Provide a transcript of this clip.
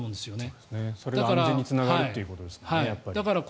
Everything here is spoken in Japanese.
それが安全につながるということですからね。